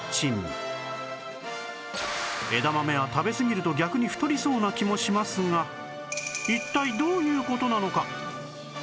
枝豆は食べすぎると逆に太りそうな気もしますが一体どういう事なのか？